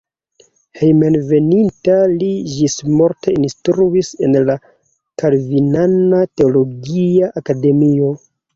Hejmenveninta li ĝismorte instruis en la kalvinana teologia akademio.